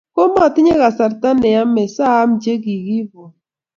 komatinye kasarta ne yemei sa am che kokiibwo